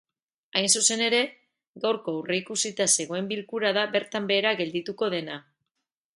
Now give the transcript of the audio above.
Hain zuzen ere, gaurko aurreikusita zegoen bilkura da bertan behera geldituko dena.